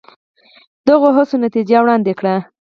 دغو هڅو نتیجه ور نه کړه.